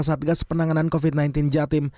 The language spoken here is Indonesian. di atas adgas penanganan covid sembilan belas jatim